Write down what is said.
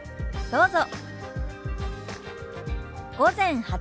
どうぞ。